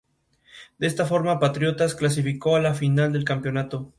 Históricamente, la línea editorial de Ámbito Financiero representó al sector empresarial del país.